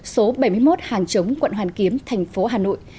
số bảy mươi một hàng chống quận hoàn kiếm tp hà nội